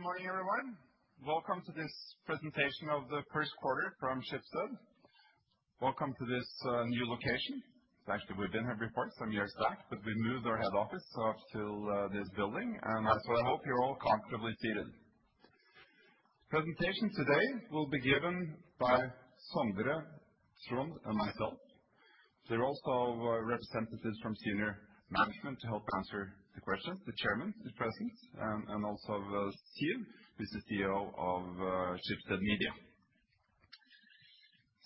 Good morning, everyone. Welcome to this presentation of the First Quarter from Schibsted. Welcome to this new location. It's actually we've been here before some years back, but we moved our head office up to this building, and I so hope you're all comfortably seated. Presentation today will be given by Sondre Gravir and myself. There are also representatives from senior management to help answer the questions. The chairman is present, and also Siv, who's the CEO of Schibsted Media.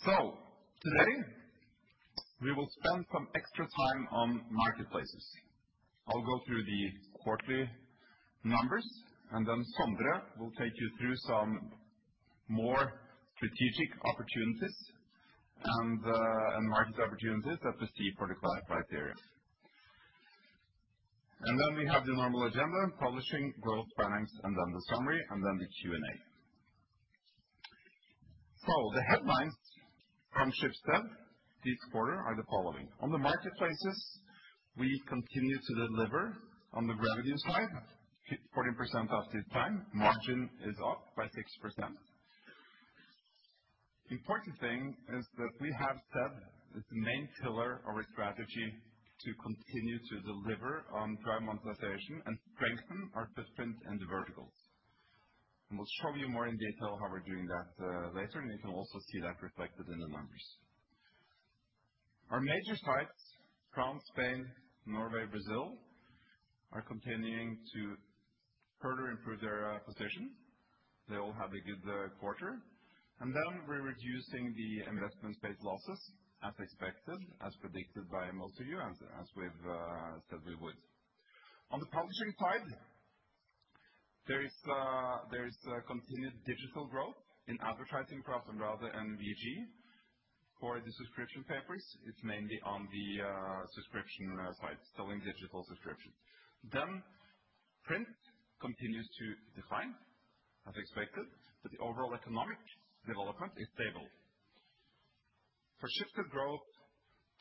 Today, we will spend some extra time on marketplaces. I'll go through the quarterly numbers, then Sondre will take you through some more strategic opportunities and market opportunities that we see for the class areas. Then we have the normal agenda, publishing growth plans and then the summary and then the Q&A. The headlines from Schibsted this quarter are the following. On the marketplaces, we continue to deliver on the revenue side, hit 14% at this time. Margin is up by 6%. Important thing is that we have set this main pillar of our strategy to continue to deliver on monetization and strengthen our footprint in the verticals. We'll show you more in detail how we're doing that later, and you can also see that reflected in the numbers. Our major sites, France, Spain, Norway, Brazil, are continuing to further improve their position. They all have a good quarter, then we're reducing the investment-based losses as expected, as predicted by most of you, as we've said we would. On the publishing side, there is continued digital growth in advertising across the VG. For the subscription papers, it's mainly on the subscription side, selling digital subscriptions. Print continues to decline as expected, but the overall economic development is stable. For Schibsted Growth,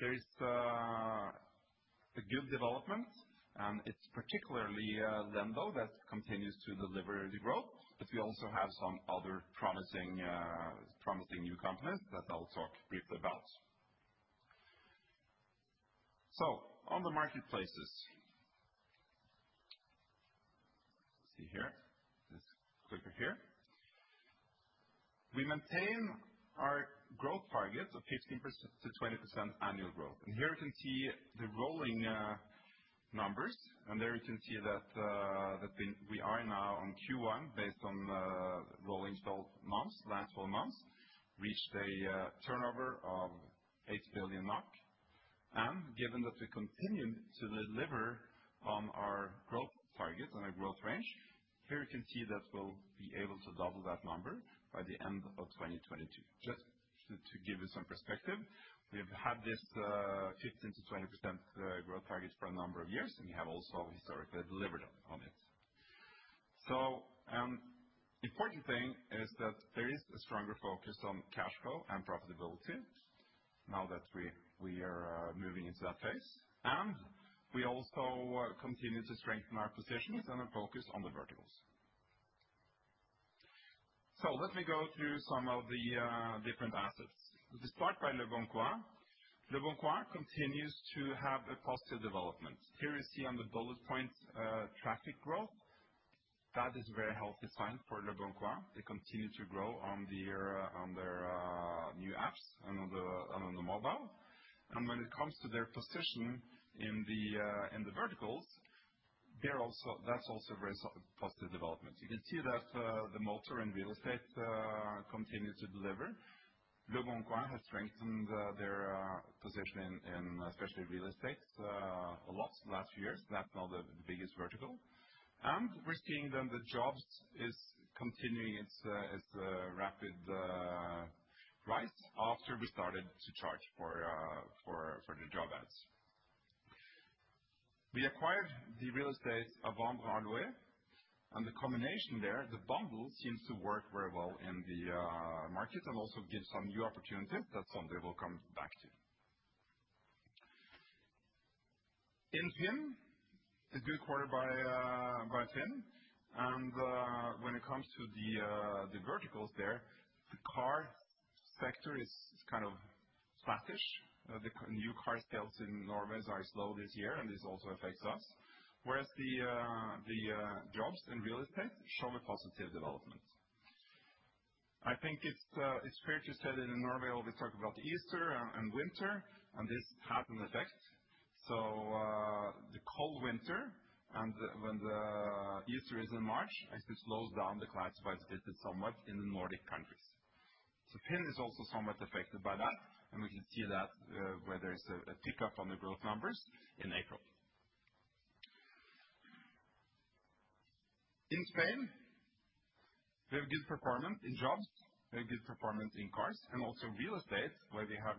there is a good development, and it's particularly Lendo that continues to deliver the growth. We also have some other promising new companies that I'll talk briefly about. On the marketplaces. Let's see here. This clicker here. We maintain our growth target of 15%-20% annual growth. Here you can see the rolling numbers. There you can see that we are now on Q1 based on rolling 12 months, last 12 months, reached a turnover of 8 billion NOK. Given that we continue to deliver on our growth target and our growth range, here you can see that we'll be able to double that number by the end of 2022. Just to give you some perspective, we've had this 15%-20% growth target for a number of years, and we have also historically delivered on it. Important thing is that there is a stronger focus on cash flow and profitability now that we are moving into that phase. We also continue to strengthen our positions and are focused on the verticals. Let me go through some of the different assets. We start by Leboncoin. Leboncoin continues to have a positive development. Here you see on the bullet point, traffic growth. That is a very healthy sign for Leboncoin. They continue to grow on their new apps and on the mobile. When it comes to their position in the verticals, that's also very positive development. You can see that the motor and real estate continue to deliver. Leboncoin has strengthened their position in especially real estate a lot last years. That's now the biggest vertical. We're seeing then the jobs is continuing its rapid rise after we started to charge for the job ads. We acquired the real estate A {Vendre and Le] and the combination there, the bundle seems to work very well in the market and also gives some new opportunities that Sondre will come back to. In FINN, a good quarter by FINN and when it comes to the verticals there, the car sector is kind of flattish. The new car sales in Norway are slow this year, and this also affects us. Whereas the jobs and real estate show a positive development. I think it's fair to say that in Norway we talk about Easter and winter and this has an effect. The cold winter and when the Easter is in March, actually slows down the classified business somewhat in the Nordic countries. FINN is also somewhat affected by that, and we can see that where there's a pickup on the growth numbers in April. In Spain, we have good performance in jobs, we have good performance in cars, and also real estate, where we have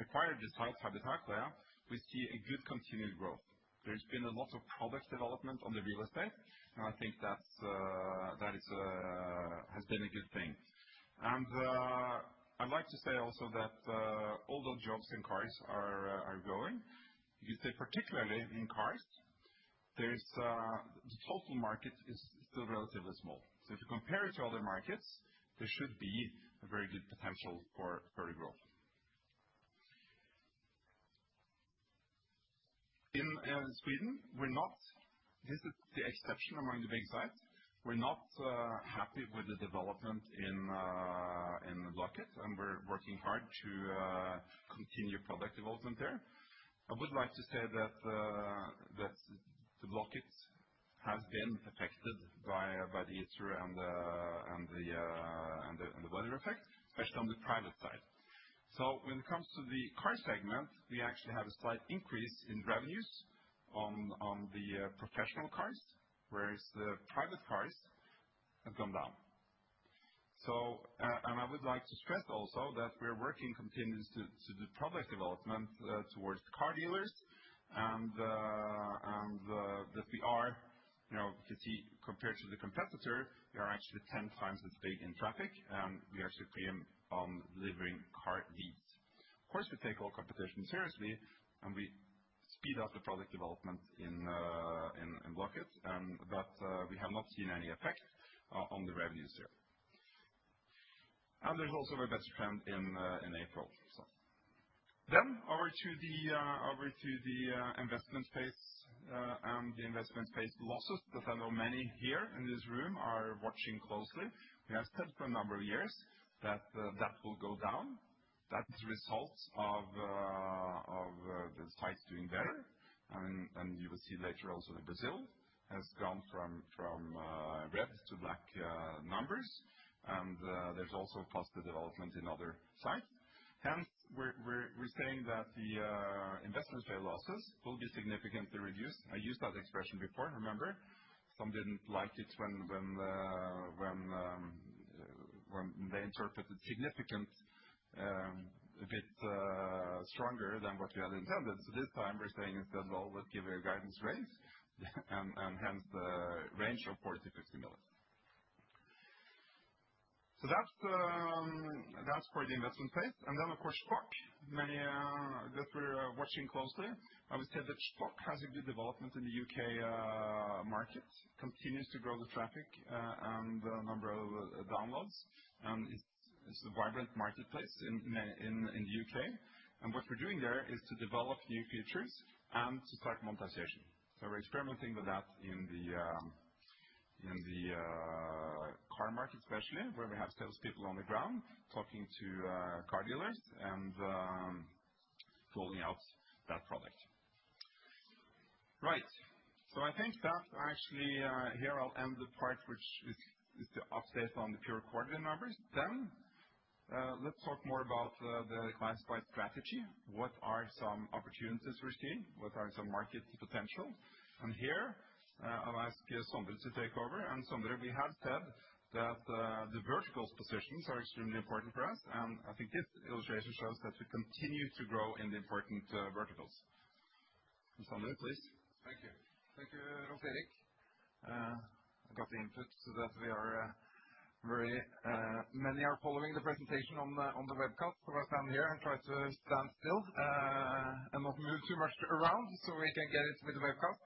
acquired the site Habitaclia, we see a good continued growth. There's been a lot of product development on the real estate, and I think that's has been a good thing. I'd like to say also that, although jobs and cars are growing. You can see particularly in cars, there's, the total market is still relatively small. If you compare it to other markets, there should be a very good potential for growth. In Sweden, this is the exception among the big sites. We're not happy with the development in Blocket, and we're working hard to continue product development there. I would like to say that the Blocket has been affected by the ether and the weather effect, especially on the private side. When it comes to the car segment, we actually have a slight increase in revenues on the professional cars, whereas the private cars have gone down. I would like to stress also that we're working continuously to do product development towards car dealers and that we are, you know, you can see compared to the competitor, we are actually 10 times as big in traffic, and we are supreme on delivering car leads. Of course, we take all competition seriously, and we speed up the product development in Blocket, and that we have not seen any effect on the revenues here. There's also a better trend in April. Over to the investment space and the investment space losses, because I know many here in this room are watching closely. We have said for a number of years that, that will go down. That's results of the sites doing better. You will see later also that Brazil has gone from red to black numbers. There's also positive development in other sites. Hence, we're saying that the investment fair losses will be significantly reduced. I used that expression before, remember? Some didn't like it when they interpreted significant a bit stronger than what we had intended. This time we're saying it as well, we'll give a guidance range and hence the range of 40 million-50 million. That's for the investment space. Of course, Shpock, many that we're watching closely. I would say that Shpock has a good development in the UK market, continues to grow the traffic and the number of downloads. It's a vibrant marketplace in the UK. What we're doing there is to develop new features and to start monetization. We're experimenting with that in the car market especially, where we have sales people on the ground talking to car dealers and rolling out that product. Right. I think that actually, here I'll end the part which is the update on the pure quarterly numbers. Let's talk more about the classified strategy. What are some opportunities we're seeing? What are some market potential? Here, I'll ask Sondre to take over. Sondre, we have said that the verticals positions are extremely important for us, and I think this illustration shows that we continue to grow in the important verticals. Sondre, please. Thank you. Thank you, Rolv Erik. I got the input so that we are very, many are following the presentation on the webcast. I stand here and try to stand still and not move too much around so we can get it with the webcast.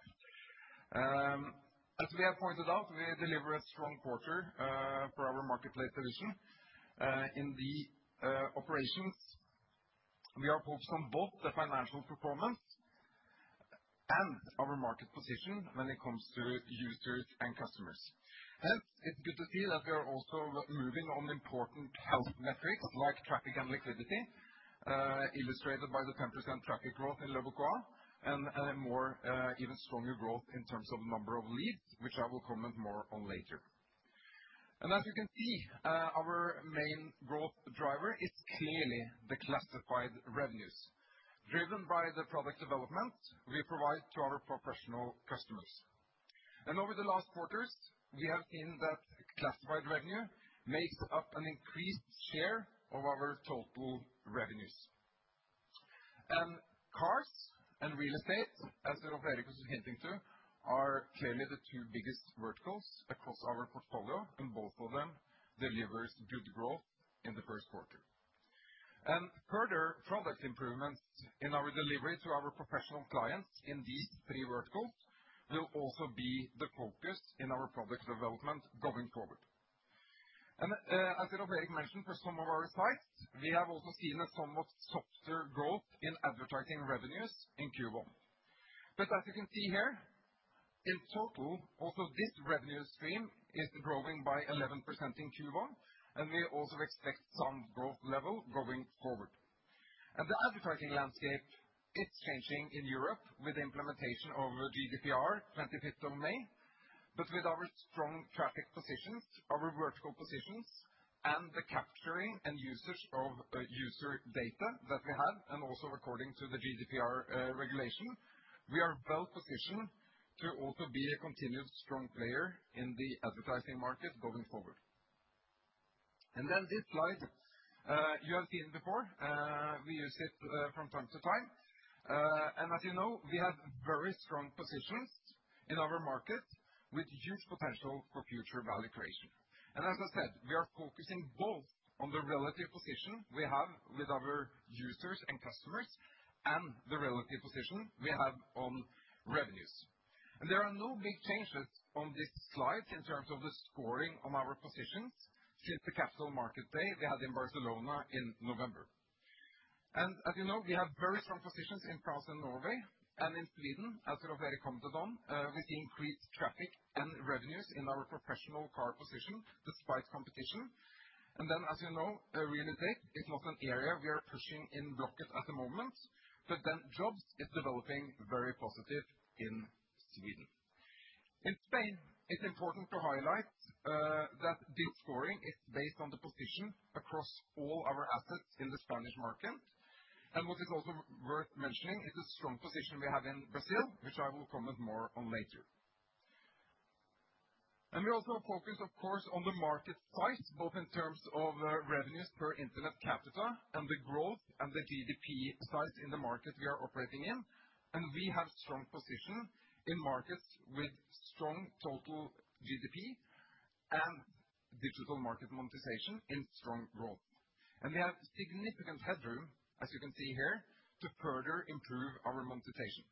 As we have pointed out, we delivered strong quarter for our marketplace division. In the operations, we are focused on both the financial performance and our market position when it comes to users and customers. Hence, it's good to see that we are also moving on important health metrics like traffic and liquidity, illustrated by the 10% traffic growth in Leboncoin and more even stronger growth in terms of number of leads, which I will comment more on later. As you can see, our main growth driver is clearly the classified revenues driven by the product development we provide to our professional customers. Over the last quarters, we have seen that classified revenue makes up an increased share of our total revenues. Cars and real estate, as Rolv Erik was hinting to, are clearly the two biggest verticals across our portfolio, and both of them delivers good growth in the Q1. Further product improvements in our delivery to our professional clients in these three verticals will also be the focus in our product development going forward. As Rolv Erik mentioned, for some of our sites, we have also seen a somewhat softer growth in advertising revenues in Q1. As you can see here, in total, also this revenue stream is growing by 11% in Q1, and we also expect some growth level going forward. The advertising landscape, it's changing in Europe with the implementation of GDPR, 25th of May. With our strong traffic positions, our vertical positions, and the capturing and usage of user data that we have, and also according to the GDPR regulation, we are well positioned to also be a continued strong player in the advertising market going forward. This slide, you have seen before. We use it from time to time. As you know, we have very strong positions in our markets. With huge potential for future value creation. As I said, we are focusing both on the relative position we have with our users and customers and the relative position we have on revenues. There are no big changes on this slide in terms of the scoring of our positions since the capital market day we had in Barcelona in November. As you know, we have very strong positions in France and Norway and in Sweden, as you know, very competent on with increased traffic and revenues in our professional car position despite competition. Then, as you know, real estate is not an area we are pushing in Blocket at the moment, but then jobs is developing very positive in Sweden. In Spain, it's important to highlight that this scoring is based on the position across all our assets in the Spanish market. What is also worth mentioning is the strong position we have in Brazil, which I will comment more on later. We also focus, of course, on the market size, both in terms of revenues per internet capita and the growth and the GDP size in the market we are operating in, and we have strong position in markets with strong total GDP and digital market monetization in strong growth. We have significant headroom, as you can see here, to further improve our monetization.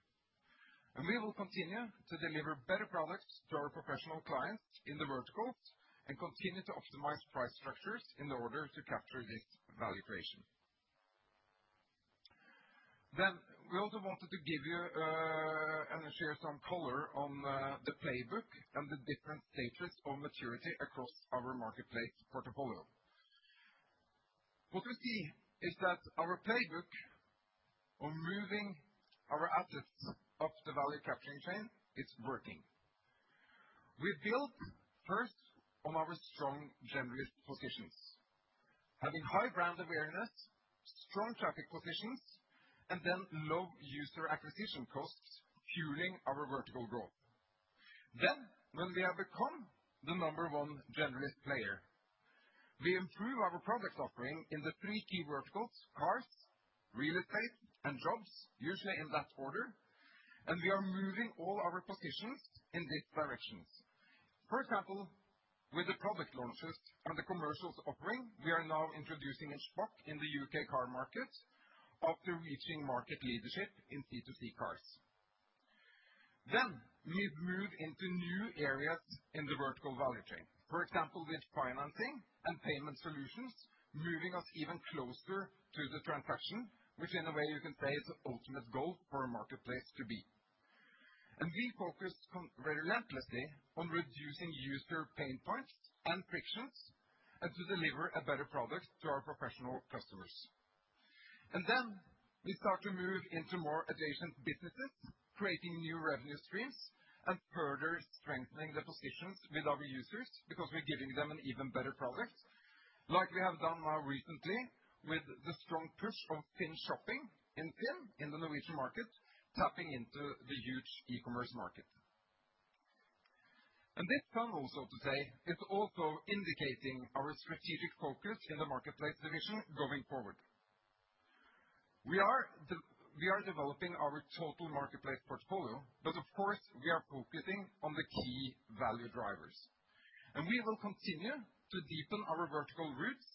We will continue to deliver better products to our professional clients in the verticals and continue to optimize price structures in order to capture this value creation. We also wanted to give you and share some color on the playbook and the different stages of maturity across our marketplace portfolio. What we see is that our playbook on moving our assets up the value capturing chain is working. We build first on our strong generalist positions, having high brand awareness, strong traffic positions, and then low user acquisition costs fuelling our vertical growth. When we have become the number one generalist player, we improve our product offering in the three key verticals, cars, real estate, and jobs, usually in that order, and we are moving all our positions in these directions. For example, with the product launches and the commercials offering, we are now introducing a spot in the U.K. car market after reaching market leadership in C2C cars. We've moved into new areas in the vertical value chain, for example, with financing and payment solutions, moving us even closer to the transaction, which in a way you can say is the ultimate goal for a marketplace to be. We focus relentlessly on reducing user pain points and frictions and to deliver a better product to our professional customers. We start to move into more adjacent businesses, creating new revenue streams and further strengthening the positions with our users because we're giving them an even better product like we have done now recently with the strong push of FINN Shopping in Finn in the Norwegian market, tapping into the huge e-commerce market. This comes also to say it's also indicating our strategic focus in the marketplace division going forward. We are developing our total marketplace portfolio. Of course we are focusing on the key value drivers, and we will continue to deepen our vertical roots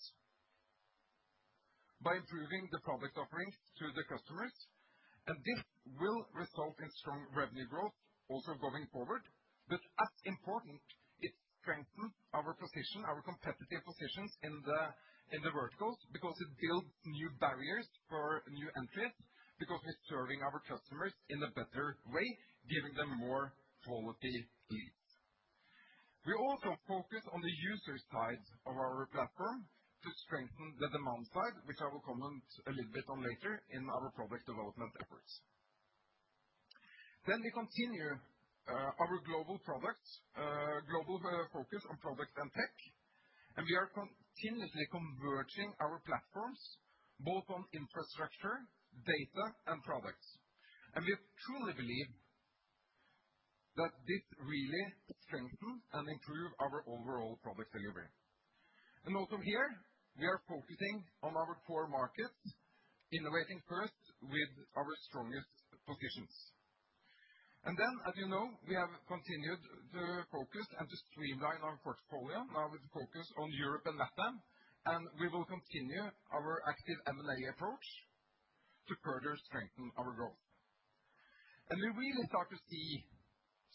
by improving the product offerings to the customers. This will result in strong revenue growth also going forward. As important, it strengthen our position, our competitive positions in the verticals because it builds new barriers for new entrants, because we're serving our customers in a better way, giving them more quality leads. We also focus on the user side of our platform to strengthen the demand side, which I will comment a little bit on later in our product development efforts. We continue our global products, global focus on Product and Tech, and we are continuously converging our platforms both on infrastructure, data and products. We truly believe that this really strengthen and improve our overall product delivery. Here we are focusing on our core markets, innovating first with our strongest positions. As you know, we have continued to focus and to streamline our portfolio now with the focus on Europe and LATAM, and we will continue our active M&A approach to further strengthen our growth. We really start to see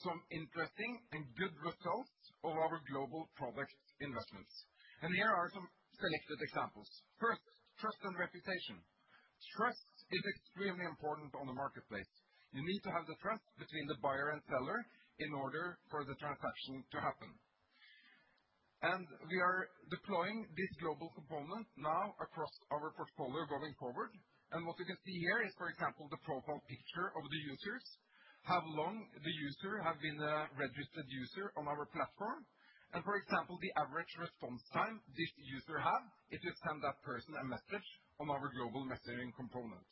some interesting and good results of our global product investments. Here are some selected examples. First, trust and reputation. Trust is extremely important on the marketplace. You need to have the trust between the buyer and seller in order for the transaction to happen. We are deploying this global component now across our portfolio going forward. What you can see here is, for example, the profile picture of the users, how long the user have been a registered user on our platform and for example, the average response time this user have if you send that person a message on our global messaging component.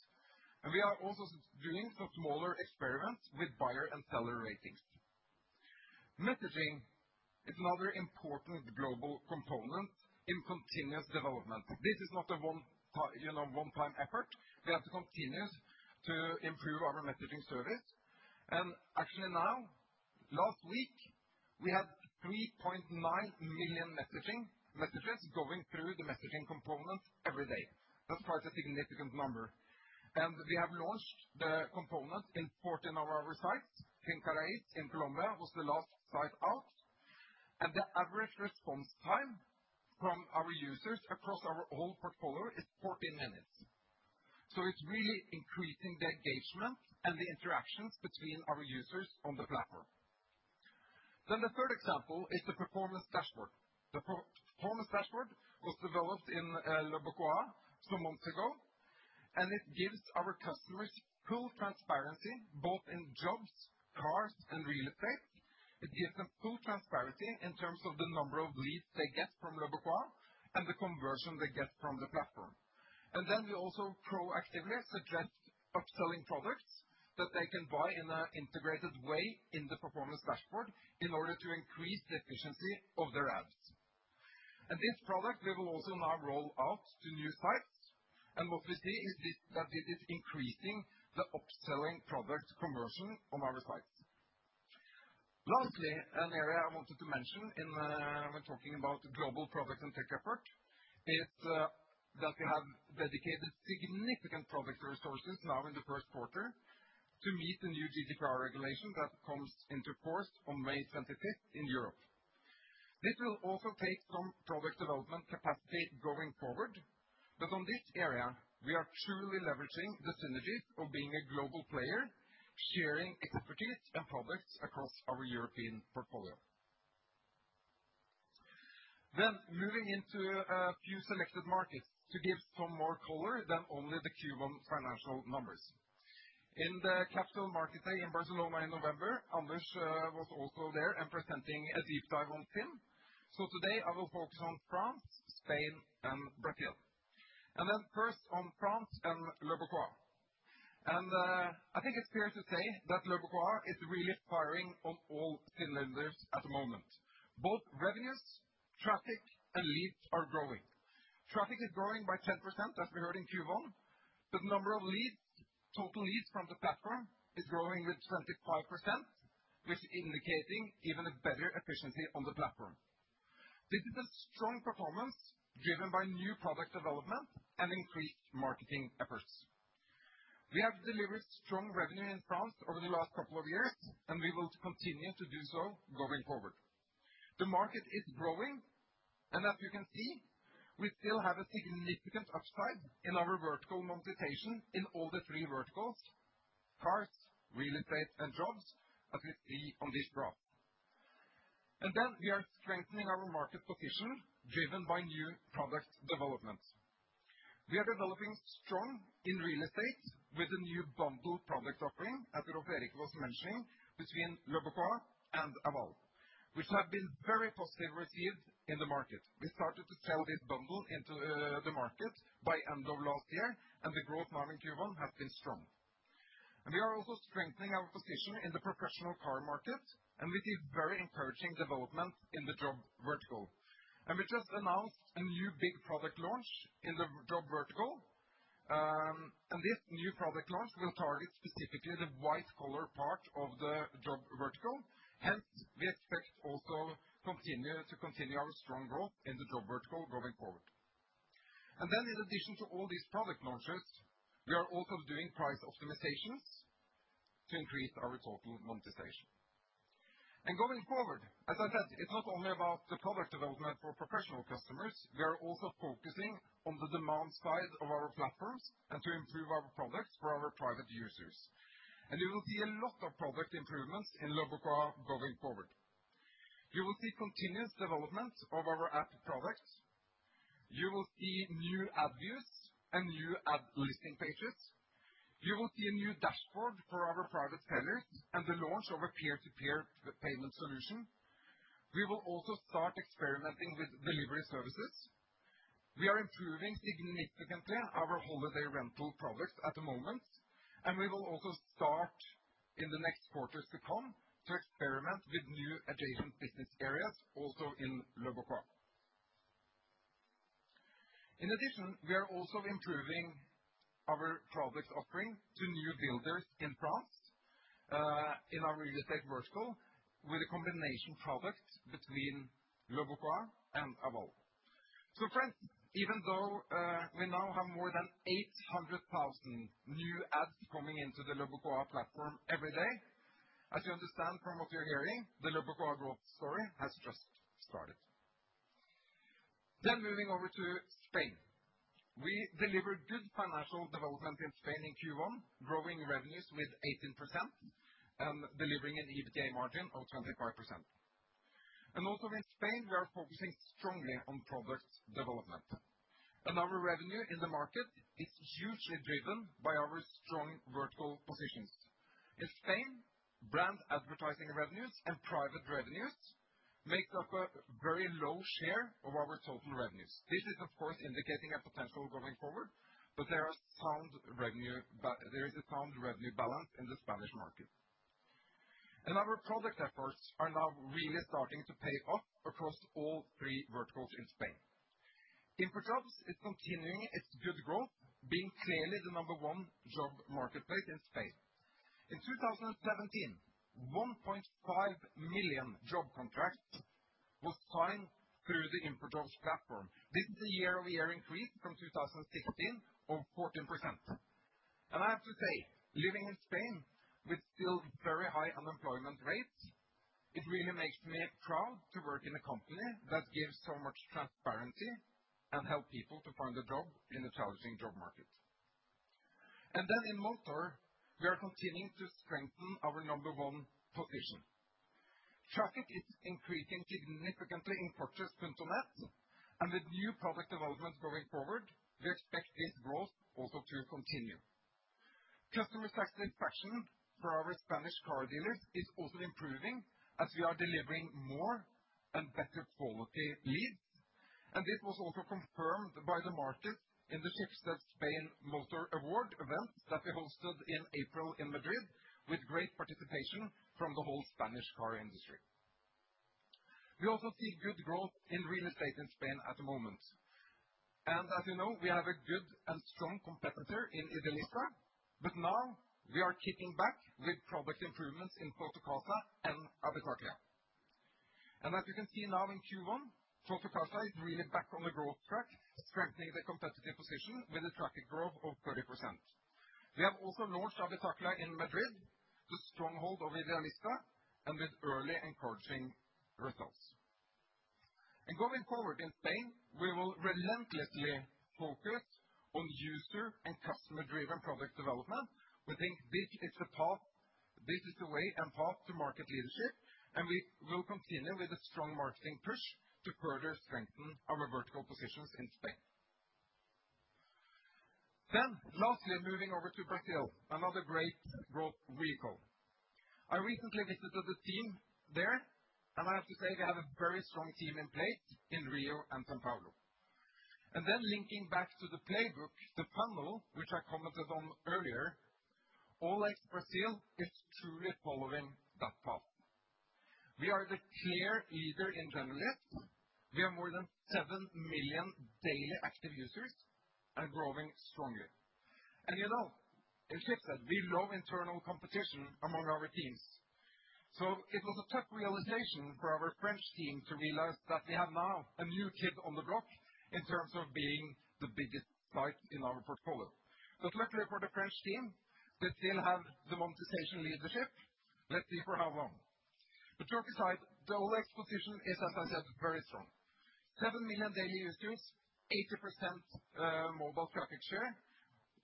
We are also doing some smaller experiments with buyer and seller ratings. Messaging, it's another important global component in continuous development. This is not a you know, one time effort. We have to continue to improve our messaging service. Actually now, last week, we had 3.9 million messages going through the messaging component every day. That's quite a significant number. We have launched the component in 14 of our sites. Finca Raíz in Colombia was the last site out, and the average response time from our users across our whole portfolio is 14 minutes. It's really increasing the engagement and the interactions between our users on the platform. The third example is the Performance Dashboard. The Performance Dashboard was developed in Leboncoin some months ago, and it gives our customers full transparency, both in jobs, cars, and real estate. It gives them full transparency in terms of the number of leads they get from Leboncoin and the conversion they get from the platform. We also proactively suggest upselling products that they can buy in an integrated way in the performance dashboard in order to increase the efficiency of their ads. This product, we will also now roll out to new sites, and what we see is that it is increasing the upselling product conversion on our sites. Lastly, an area I wanted to mention in when talking about global product and tech effort is that we have dedicated significant product resources now in the Q1 to meet the new GDPR regulation that comes into force on May 25th in Europe. This will also take some product development capacity going forward, on this area, we are truly leveraging the synergies of being a global player, sharing expertise and products across our European portfolio. Moving into a few selected markets to give some more color than only the Q1 financial numbers. In the capital market day in Barcelona in November, Anders was also there and presenting a deep dive on FINN. Today I will focus on France, Spain, and Brazil. First on France and Leboncoin. I think it's fair to say that Leboncoin is really firing on all cylinders at the moment. Both revenues, traffic, and leads are growing. Traffic is growing by 10%, as we heard in Q1. The number of leads, total leads from the platform is growing with 25%, which indicating even a better efficiency on the platform. This is a strong performance driven by new product development and increased marketing efforts. We have delivered strong revenue in France over the last couple of years, and we will continue to do so going forward. The market is growing, and as you can see, we still have a significant upside in our vertical monetization in all the three verticals, cars, real estate, and jobs, as we see on this graph. We are strengthening our market position driven by new product development. We are developing strong in real estate with a new bundle product offering, as Rolv Erik was mentioning, between Leboncoin and AvendreALouer.fr which have been very positively received in the market. We started to sell this bundle into the market by end of last year, and the growth now in Q1 has been strong. We are also strengthening our position in the professional car market, and we see very encouraging development in the job vertical. We just announced a new big product launch in the job vertical, and this new product launch will target specifically the white collar part of the job vertical. Hence, we expect also to continue our strong growth in the job vertical going forward. In addition to all these product launches, we are also doing price optimizations to increase our total monetization. Going forward, as I said, it's not only about the product development for professional customers. We are also focusing on the demand side of our platforms and to improve our products for our private users. You will see a lot of product improvements in Leboncoin going forward. You will see continuous development of our app products. You will see new ad views and new ad listing pages. You will see a new dashboard for our private sellers and the launch of a peer-to-peer payment solution. We will also start experimenting with delivery services. We are improving significantly our holiday rental products at the moment, and we will also start in the next quarters to come to experiment with new adjacent business areas also in Leboncoin. In addition, we are also improving our products offering to new builders in France, in our real estate vertical with a combination product between Leboncoin and AvendreALouer.fr. Friends, even though, we now have more than 800,000 new ads coming into the Leboncoin platform every day, as you understand from what you're hearing, the Leboncoin growth story has just started. Moving over to Spain. We delivered good financial development in Spain in Q1, growing revenues with 18% and delivering an EBITDA margin of 25%. Also in Spain, we are focusing strongly on product development. Our revenue in the market is hugely driven by our strong vertical positions. In Spain, brand advertising revenues and private revenues make up a very low share of our total revenues. This is, of course, indicating a potential going forward. There is a sound revenue balance in the Spanish market. Our product efforts are now really starting to pay off across all three verticals in Spain. InfoJobs is continuing its good growth, being clearly the number one job marketplace in Spain. In 2017, 1.5 million job contracts were signed through the InfoJobs platform. This is a year-over-year increase from 2016 of 14%. I have to say, living in Spain with still very high unemployment rates, it really makes me proud to work in a company that gives so much transparency and help people to find a job in the challenging job market. In motor, we are continuing to strengthen our number one position. Traffic is increasing significantly in Coches.net. With new product developments going forward, we expect this growth also to continue. Customer satisfaction for our Spanish car dealers is also improving as we are delivering more and better quality leads. This was also confirmed by the market in the Schibsted Spain Motor Awards event that we hosted in April in Madrid, with great participation from the whole Spanish car industry. We also see good growth in real estate in Spain at the moment. As you know, we have a good and strong competitor in idealista. Now we are kicking back with product improvements in Fotocasa and Habitaclia. As you can see now in Q1, Fotocasa is really back on the growth track, strengthening the competitive position with a traffic growth of 30%. We have also launched Habitaclia in Madrid, the stronghold of idealista with early encouraging results. Going forward in Spain, we will relentlessly focus on user and customer-driven product development. We think this is the way and path to market leadership, and we will continue with a strong marketing push to further strengthen our vertical positions in Spain. Lastly, moving over to Brazil, another great growth vehicle. I recently visited the team there, and I have to say they have a very strong team in place in Rio and São Paulo. Linking back to the playbook, the funnel, which I commented on earlier, OLX Brazil is truly following that path. We are the clear leader in generalists. We have more than 7 million daily active users and growing strongly. You know, in Schibsted, we love internal competition among our teams. It was a tough realization for our French team to realize that we have now a new kid on the block in terms of being the biggest site in our portfolio. Luckily for the French team, they still have the monetization leadership. Let's see for how long. Joke aside, the OLX position is, as I said, very strong. 7 million daily users, 80% mobile traffic share,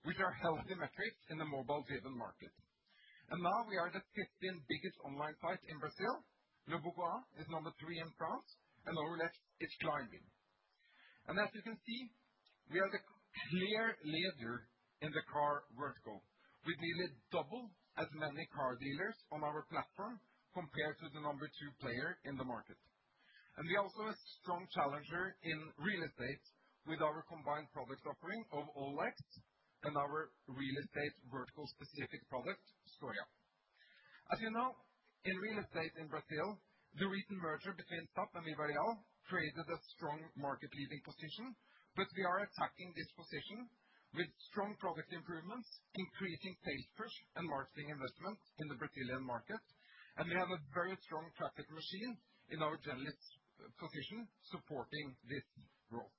which are healthy metrics in the mobile-driven market. Now we are the 15th-biggest online site in Brazil. Leboncoin is number three in France, OLX is climbing. As you can see, we are the clear leader in the car vertical. We deal with double as many car dealers on our platform compared to the number two player in the market. We are also a strong challenger in real estate with our combined product offering of OLX and our real estate vertical specific product, [Estadia]. As you know, in real estate in Brazil, the recent merger between SAP and VivaReal created a strong market-leading position. We are attacking this position with strong product improvements, increasing paid search and marketing investment in the Brazilian market. We have a very strong traffic machine in our generalist position supporting this growth.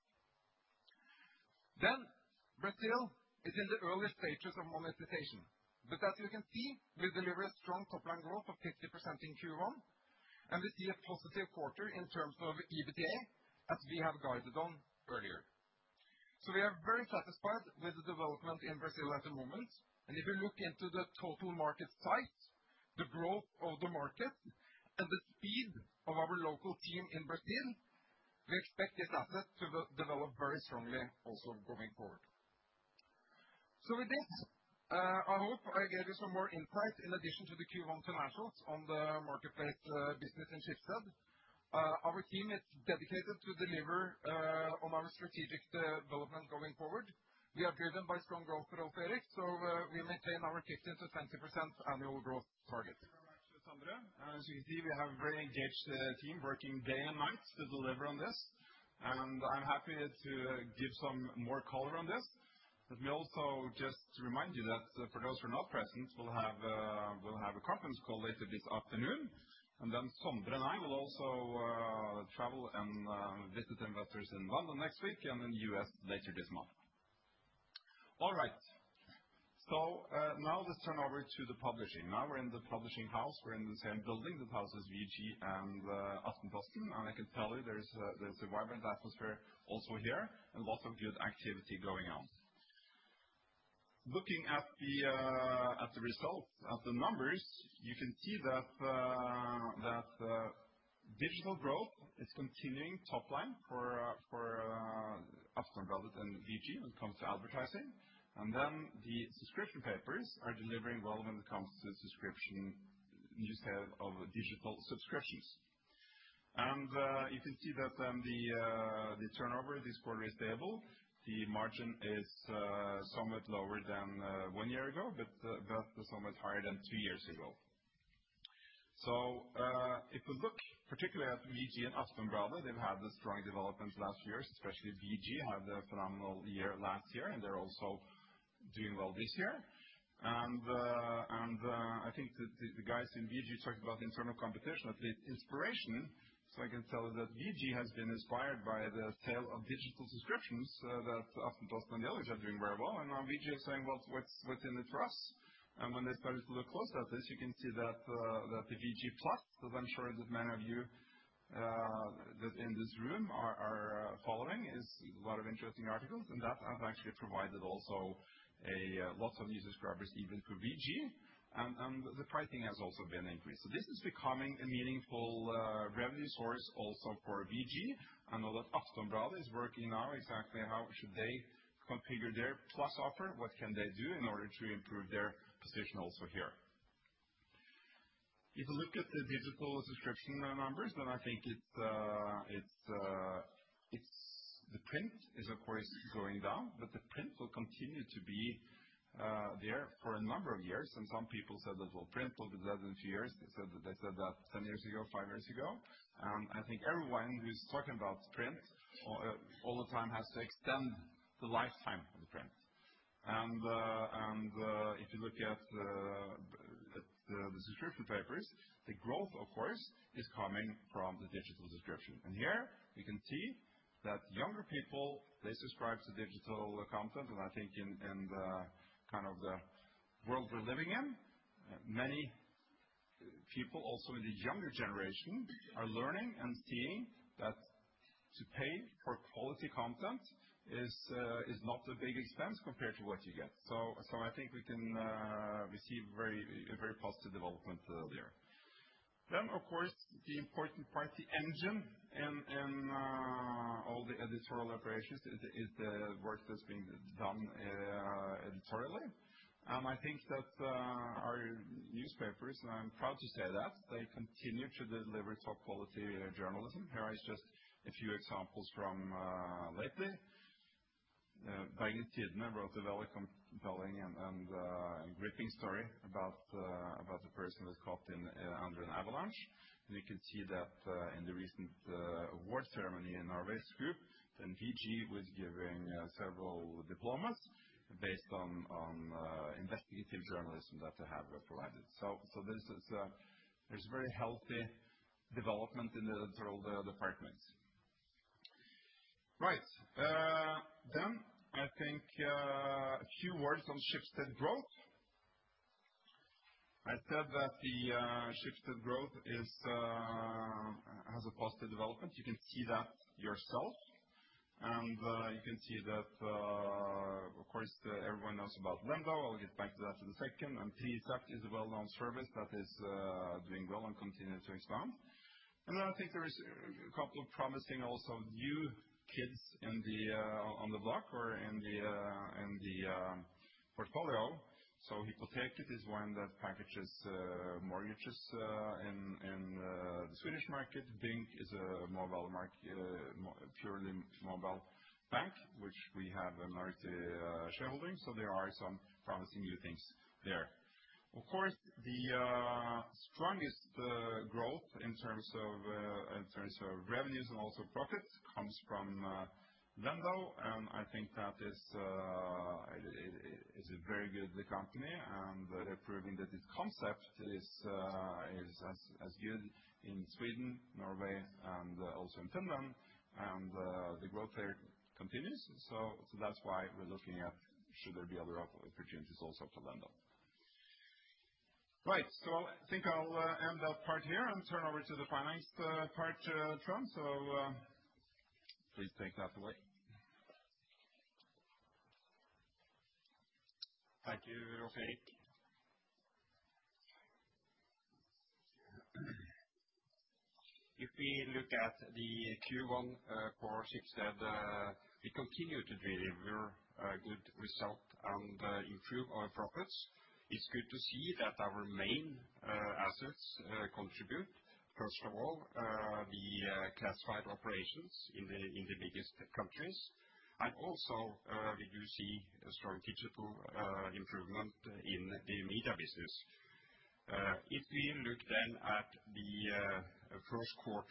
Brazil is in the early stages of monetization. As you can see, we delivered strong top-line growth of 50% in Q1, and we see a positive quarter in terms of EBITDA, as we have guided on earlier. We are very satisfied with the development in Brazil at the moment. If you look into the total market size, the growth of the market, and the speed of our local team in Brazil, we expect this asset to de, develop very strongly also going forward. With this, I hope I gave you some more insight in addition to the Q1 financials on the marketplace business in Schibsted. Our team is dedicated to deliver on our strategic development going forward. We are driven by strong growth at Opera, so we maintain our 15%-20% annual growth target. Thank you very much Sondre. As you can see, we have a very engaged team working day and night to deliver on this, and I'm happy to give some more color on this. May also just remind you that for those who are not present, we'll have a conference call later this afternoon. Sondre and I will also travel and visit investors in London next week and in U.S. later this month. All right. Now let's turn over to the publishing. Now we're in the publishing house. We're in the same building that houses VG and Aftenposten. I can tell you there's a vibrant atmosphere also here and lots of good activity going on. Looking at the results, at the numbers, you can see that digital growth is continuing top-line for Aftenbladet and VG when it comes to advertising. The subscription papers are delivering well when it comes to subscription, you just have all the digital subscriptions. You can see that the turnover this quarter is stable. The margin is somewhat lower than one year ago, but is somewhat higher than two years ago. If you look particularly at VG and Aftenbladet, they've had a strong development last year, especially VG had a phenomenal year last year, and they're also doing well this year. I think that the guys in VG talked about internal competition as the inspiration. I can tell you that VG has been inspired by the tale of digital subscriptions that Aftenposten and the others are doing very well. Now VG is saying, "Well, what's in it for us?" When they started to look closer at this, you can see that the VG+ that I'm sure that many of you that in this room are following is a lot of interesting articles. That has actually provided also a lots of new subscribers even for VG. The pricing has also been increased. This is becoming a meaningful revenue source also for VG. Aftenbladet is working now exactly how should they configure their Plus offer, what can they do in order to improve their position also here. If you look at the digital subscription numbers, I think it's. The print is of course going down, the print will continue to be there for a number of years. Some people said that, "Well, print will be dead in two years." They said that 10 years ago, five years ago. I think everyone who's talking about print all the time has to extend the lifetime of the print. If you look at the subscription papers, the growth, of course, is coming from the digital subscription. Here you can see that younger people, they subscribe to digital content. I think in the, kind of, the world we're living in, many people also in the younger generation are learning and seeing that to pay for quality content is not a big expense compared to what you get. I think we can, we see a very positive development there. Of course, the important part, the engine in all the editorial operations is the work that's being done editorially. I think that our newspapers, and I'm proud to say that, they continue to deliver top quality journalism. Here is just a few examples from lately. Bergens Tidende wrote a very compelling and gripping story about a person who was caught under an avalanche. You can see that in the recent award ceremony in our group, then VG was given several diplomas based on investigative journalism that they have provided. This is very healthy development in the editorial departments. Right. I think a few words on Schibsted Growth. I said that the Schibsted Growth is has a positive development. You can see that yourself. You can see that, of course, everyone knows about Lendo. I'll get back to that in a second. Tise is a well-known service that is doing well and continue to expand. I think there is a couple of promising also new kids in the on the block or in the in the portfolio. Hypoteket is one that packages mortgages in the Swedish market. Bynk is a purely mobile bank, which we have a minority shareholding, so there are some promising new things there. Of course, the strongest growth in terms of revenues and also profits comes from Lendo, and I think that is it's a very good company. They're proving that this concept is as good in Sweden, Norway, and also in Finland. The growth there continues. That's why we're looking at should there be other opportunities also for Lendo. Right. I think I'll end that part here and turn over to the finance part, Trond. Please take that away. Thank you, Erik. If we look at the Q1 for Schibsted, we continue to deliver a good result and improve our profits. It's good to see that our main assets contribute. First of all, the classified operations in the biggest countries. Also, we do see a strong digital improvement in the media business. If we look then at the Q1,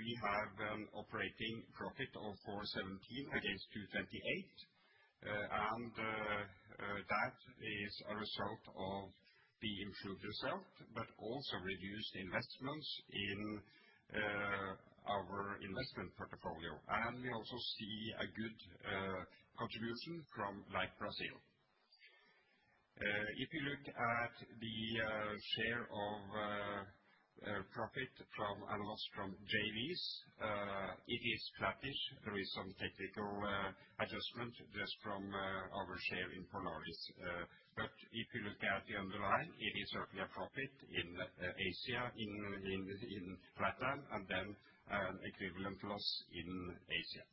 we have an operating profit of 417 against 228. That is a result of the improved result, but also reduced investments in our investment portfolio. We also see a good contribution from OLX Brazil. If you look at the share of profit from and loss from JVs, it is flattish. There is some technical adjustment just from our share in Polaris. If you look at the underlying, it is certainly a profit in Asia, in flatland, and then an equivalent loss in Asia.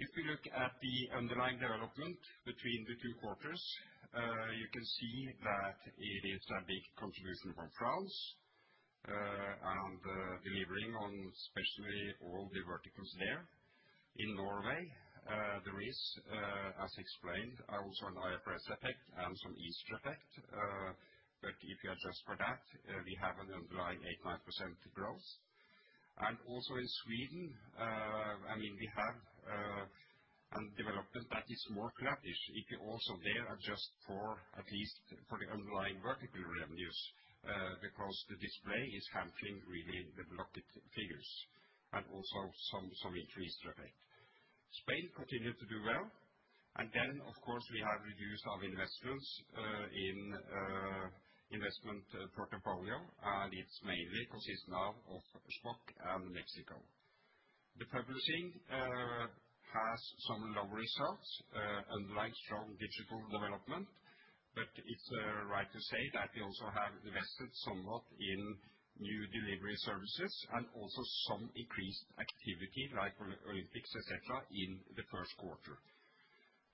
If you look at the underlying development between the two quarters, you can see that it is a big contribution from France, and delivering on especially all the verticals there. In Norway, there is, as explained, also an IFRS effect and some Easter effect. If you adjust for that, we have an underlying 8%-9% growth. Also in Sweden, I mean, we have a development that is more flattish. If you also there adjust for at least for the underlying vertical revenues, because the display is hampering really the Blocket figures and also some increased revenue. Spain continued to do well. Of course, we have reduced our investments in investment portfolio, and it's mainly consisting of Schibsted and Mexico. The publishing has some low results, unlike strong digital development. It's right to say that we also have invested somewhat in new delivery services and also some increased activity like Olympics, et cetera, in the Q1.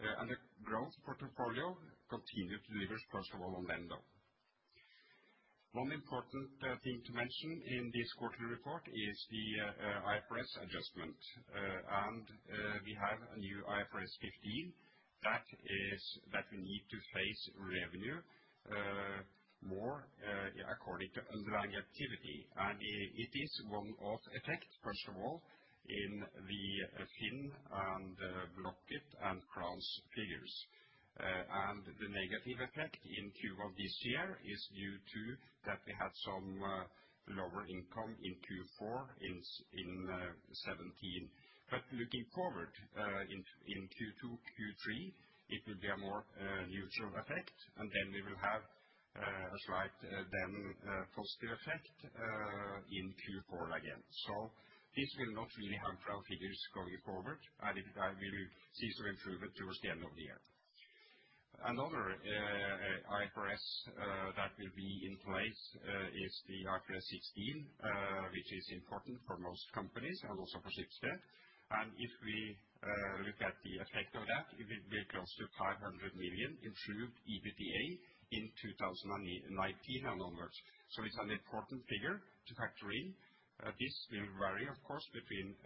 The growth portfolio continued to deliver first of all on Lendo. One important thing to mention in this quarterly report is the IFRS adjustment. We have a new IFRS 15 that we need to face revenue more according to underlying activity. It is one-off effect, first of all, in the FINN and Blocket and France figures. The negative effect in Q1 this year is due to that we had some lower income in Q4 in 2017. Looking forward, in Q2, Q3, it will be a more neutral effect, then we will have a slight positive effect in Q4 again. This will not really hamper our figures going forward, and we will see some improvement towards the end of the year. Another IFRS that will be in place is the IFRS 16, which is important for most companies and also for Schibsted. If we look at the effect of that, it will be close to 500 million improved EBITDA in 2019 and onwards. It's an important figure to factor in. This will vary of course between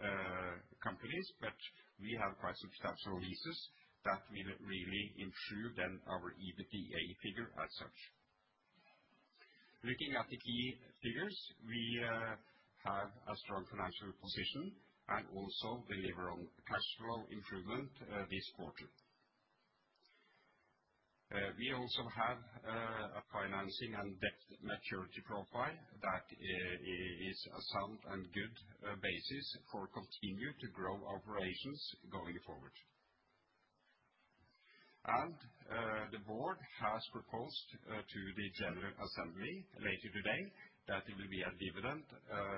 companies, but we have quite substantial leases that will really improve then our EBITDA figure as such. Looking at the key figures, we have a strong financial position and also deliver on cash flow improvement this quarter. We also have a financing and debt maturity profile that is a sound and good basis for continued to grow operations going forward. The board has proposed to the General Assembly later today that it will be a dividend,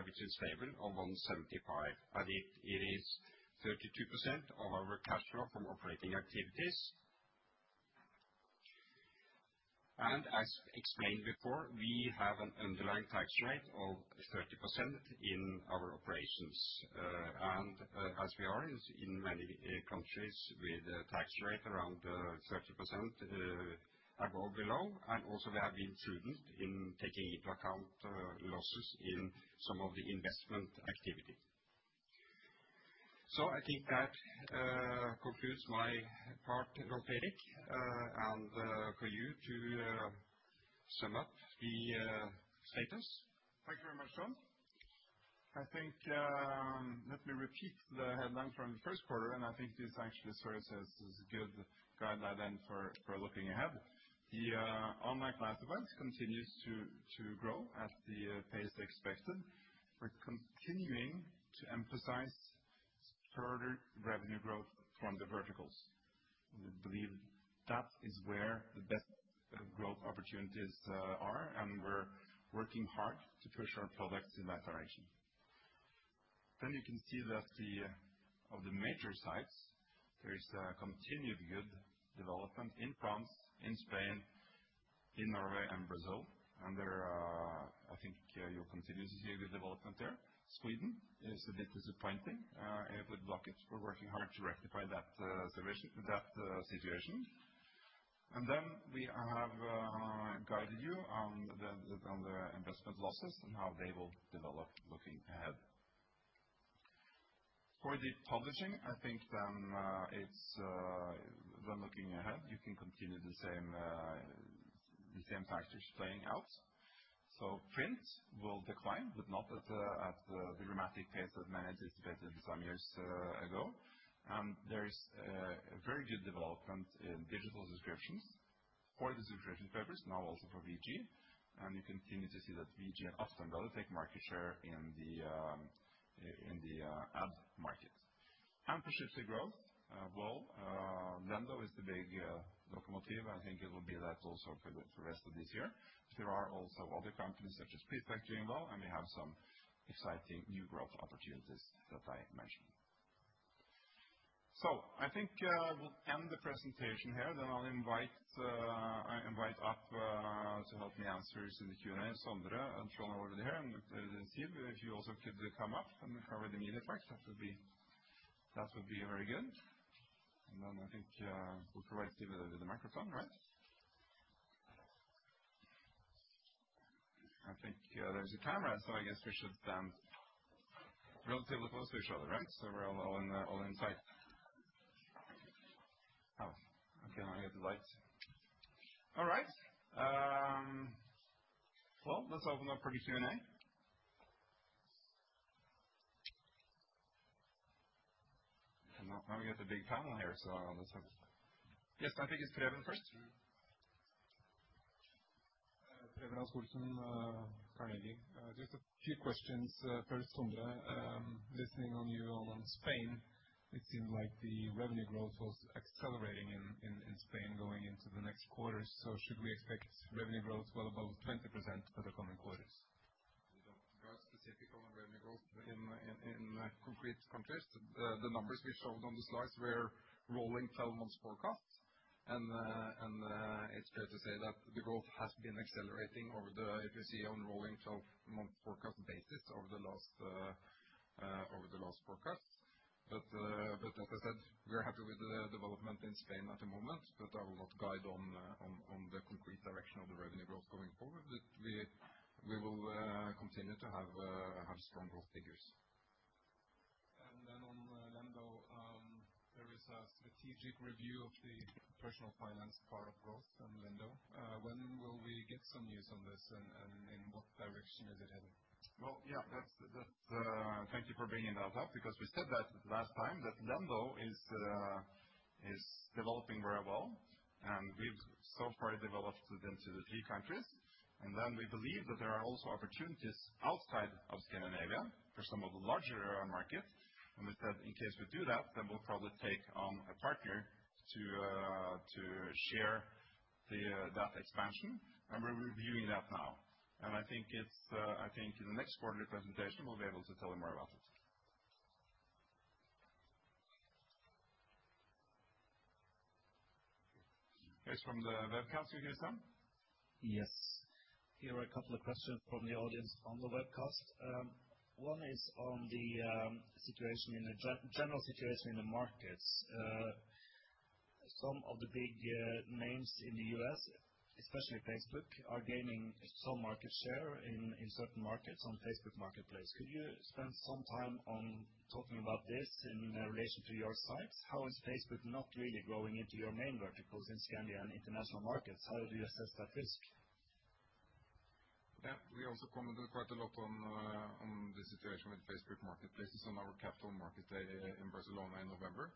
which is stable of 1.75, and it is 32% of our cash flow from operating activities. As explained before, we have an underlying tax rate of 30% in our operations. As we are in many countries with a tax rate around 30%, above, below, and also we have been prudent in taking into account, losses in some of the investment activity. I think that concludes my part, Rolv Erik. For you to sum up the status. Thank you very much, Trond. I think, let me repeat the headline from the Q1, and I think this actually serves as a good guideline then for looking ahead. The online classifieds continues to grow at the pace expected. We're continuing to emphasize further revenue growth from the verticals. We believe that is where the best growth opportunities are, and we're working hard to push our products in that direction. You can see that the of the major sites there is a continued good development in France, in Spain, in Norway and Brazil. There, I think, you'll continue to see a good development there. Sweden is a bit disappointing with Blocket. We're working hard to rectify that situation. Then we have guided you on the investment losses and how they will develop looking ahead. For the publishing, I think then, it's when looking ahead, you can continue the same factors playing out. Prints will decline, but not at the dramatic pace that many anticipated some years ago. There is a very good development in digital subscriptions for the subscription papers, now also for VG. You continue to see that VG and Aftenbladet take market share in the ad market. For Schibsted Growth, well, Lendo is the big locomotive. I think it will be that also for the rest of this year. There are also other companies such as Prisjakt doing well, and we have some exciting new growth opportunities that I mentioned. I think we'll end the presentation here. Then I'll invite, I invite up to help me answer in the Q&A, Sondre and Trond over there. Siv, if you also could come up and cover the media part, that would be very good. Then I think we'll provide Siv with the microphone, right? I think there's a camera, so I guess we should stand relatively close to each other, right? So we're all in all in sight. Okay, now I get the lights. All right. Well, let's open up for the Q&A. Now we got a big panel here, so let's have... Yes, I think it's Preben first. Preben Rasch-Olsen, Carnegie. Just a few questions, first Sondre. Listening on you on Spain, it seems like the revenue growth was accelerating in Spain going into the next quarter. Should we expect revenue growth well above 20% for the coming quarters? We don't go specific on revenue growth in concrete context. The numbers we showed on the slides were rolling 12 months forecast and it's fair to say that the growth has been accelerating over there, if you see on rolling 12-month forecast basis over the last over the last forecast. Like I said, we are happy with the development in Spain at the moment, but I will not guide on the concrete direction of the revenue growth going forward. We will continue to have strong growth figures. Then on Lendo, there is a strategic review of the personal finance part of growth on Lendo. When will we get some news on this? In what direction is it headed? Well, yeah, that's. Thank you for bringing that up, because we said that last time that Lendo is developing very well. We've so far developed it into the key countries. We believe that there are also opportunities outside of Scandinavia for some of the larger markets. We said in case we do that, then we'll probably take on a partner to share that expansion. We're reviewing that now. I think in the next quarter presentation, we'll be able to tell you more about it. Guys from the webcast, you hear us sound? Yes. Here are a couple of questions from the audience on the webcast. One is on the general situation in the markets. Some of the big names in the U.S. especially Facebook, are gaining some market share in certain markets on Facebook Marketplace. Could you spend some time on talking about this in relation to your sites? How is Facebook not really growing into your main verticals in Scandinavia and international markets? How do you assess that risk? Yeah, we also commented quite a lot on the situation with Facebook Marketplace on our capital market day in Barcelona in November.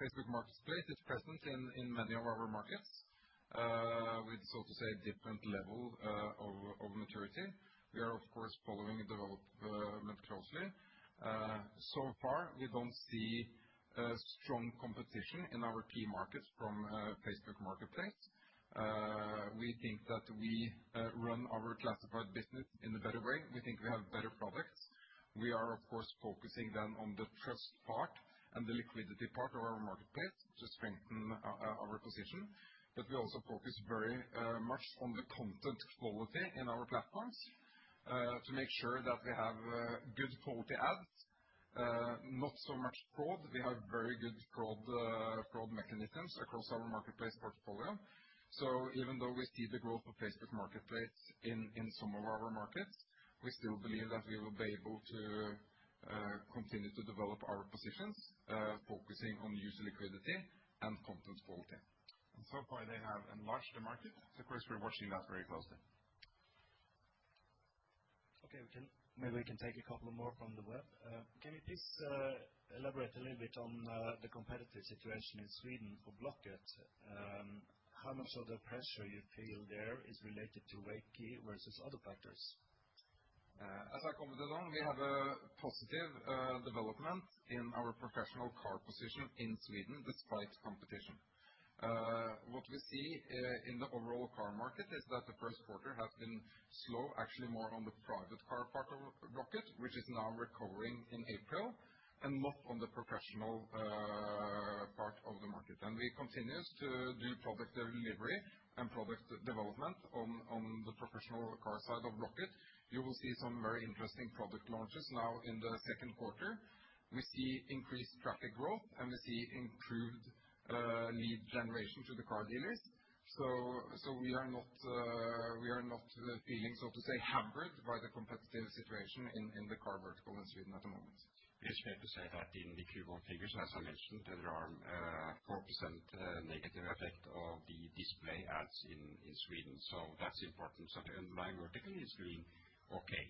Facebook Marketplace is present in many of our markets, with so to say different level, of maturity. We are of course following the development closely. So far, we don't see strong competition in our key markets from, Facebook Marketplace. We think that we, run our classified business in a better way. We think we have better products. We are, of course, focusing then on the trust part and the liquidity part of our marketplace to strengthen our position. We also focus very much on the content quality in our platforms, to make sure that we have, good quality ads, not so much fraud. We have very good fraud mechanisms across our marketplace portfolio. Even though we see the growth of Facebook Marketplace in some of our markets, we still believe that we will be able to continue to develop our positions, focusing on user liquidity and content quality. So far, they have enlarged the market, so of course, we're watching that very closely. Okay. Maybe we can take a couple more from the web. Can you please elaborate a little bit on the competitive situation in Sweden for Blocket? How much of the pressure you feel there is related to Rakuten versus other factors? As I commented on, we have a positive development in our professional car position in Sweden despite competition. What we see in the overall car market is that the first quarter has been slow, actually more on the private car part of Blocket, which is now recovering in April, and not on the professional part of the market. We continues to do product delivery and product development on the professional car side of Blocket. You will see some very interesting product launches now in the Q2. We see increased traffic growth, and we see improved lead generation to the car dealers. We are not feeling, so to say, hammered by the competitive situation in the car vertical in Sweden at the moment. It's fair to say that in the Q1 figures, as I mentioned, there are, 4%, negative effect of the display ads in Sweden. That's important. In my vertical is doing okay.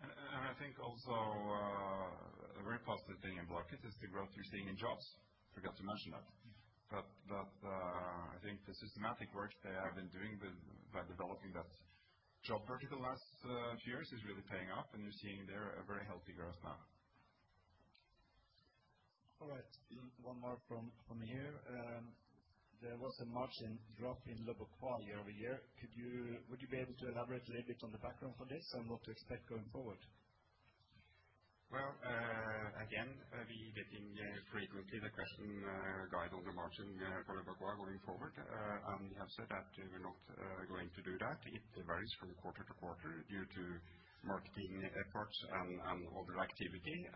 I think also, a very positive thing in Blocket is the growth we're seeing in jobs. Forgot to mention that. I think the systematic work they have been doing with by developing that job vertical last few years is really paying off, and you're seeing there a very healthy growth now. All right. One more from here. There was a margin drop in Leboncoin quarter-over-year. Would you be able to elaborate a little bit on the background for this and what to expect going forward? Well, again, we getting frequently the question, guide on the margin Leboncoin going forward. We have said that we are not going to do that. It varies from quarter to quarter due to marketing efforts and other activity.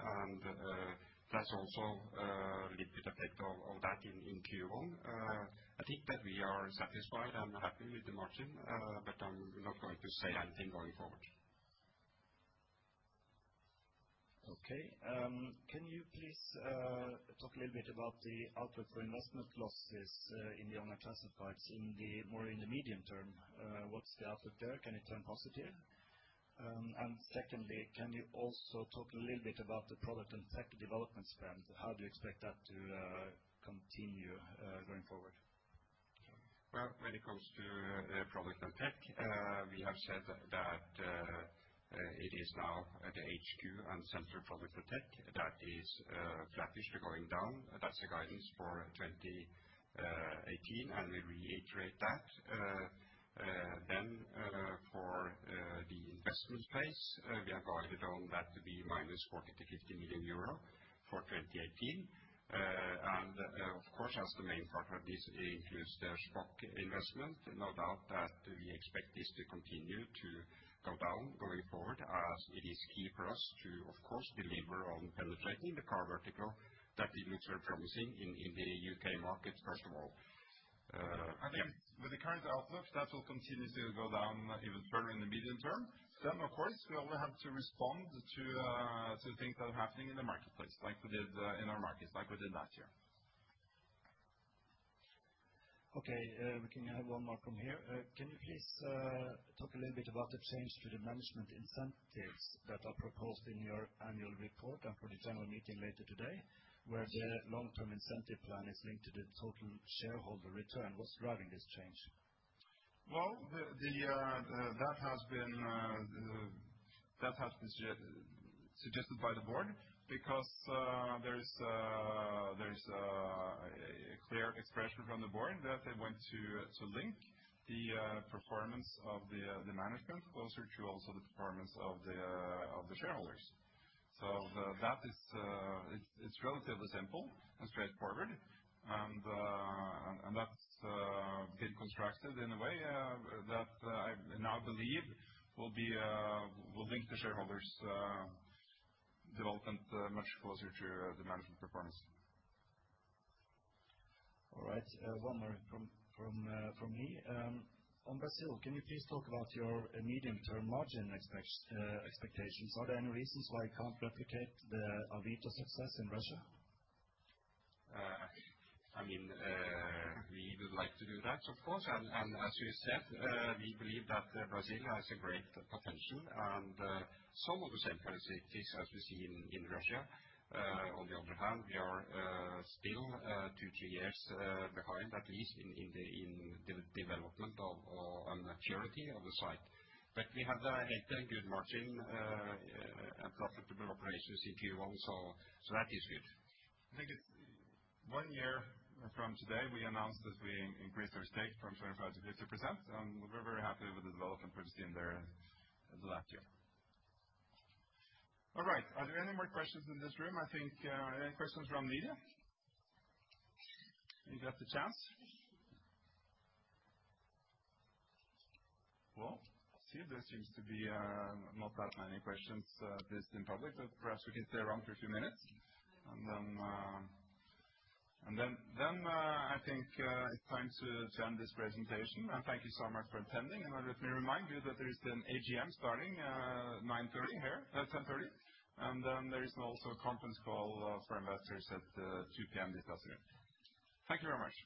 That's also little bit effect of that in Q1. I think that we are satisfied and happy with the margin, but I'm not going to say anything going forward. Okay. Can you please talk a little bit about the output for investment losses in the more in the medium term? What's the output there? Can it turn positive? Secondly, can you also talk a little bit about the product and tech development spend? How do you expect that to continue going forward? Well, when it comes to Product and Tech, we have said that it is now at the HQ and center product and tech that is flattish, going down. That's the guidance for 2018, and we reiterate that. Then, for the investment space, we have guided on that to be minus 40 million to 50 million euro for 2018. Of course, as the main part of this includes the Shpock investment, no doubt that we expect this to continue to go down going forward as it is key for us to, of course, deliver on penetrating the car vertical that it looks very promising in the UK market, first of all. Yeah. I think with the current outlook, that will continue to go down even further in the medium term. Of course, we always have to respond to things that are happening in the marketplace, like we did in our markets, like we did last year. Okay. We can have one more from here. Can you please talk a little bit about the change to the management incentives that are proposed in your annual report and for the general meeting later today, where the long-term incentive plan is linked to the total shareholder return? What's driving this change? Well, that has been suggested by the board because there is a clear expression from the board that they want to link the performance of the management closer to also the performance of the shareholders. That is, it's relatively simple and straightforward. That's been constructed in a way that I now believe will link the shareholders development much closer to the management performance. All right. one more from me. On Brazil, can you please talk about your medium-term margin expectations? Are there any reasons why you can't replicate the Avito success in Russia? I mean, we would like to do that, of course. As we said, we believe that Brazil has a great potential and some of the same characteristics as we see in Russia. On the other hand, we are still two, three years behind, at least in the development of and maturity of the site. We have hit a good margin and profitable operations in Q1, that is good. I think it's one year from today, we announced that we increased our stake from 25% to 50%. We're very happy with the development we've seen there in the last year. All right. Are there any more questions in this room? I think, any questions from the media? You got the chance. Well, I see there seems to be, not that many questions, this in public. Perhaps we can stay around for a few minutes. Then, I think, it's time to end this presentation. Thank you so much for attending. Let me remind you that there is an AGM starting, 9:30 A.M. here, 10:30 A.M. Then there is also a conference call for investors at 2:00 P.M. with us again. Thank you very much.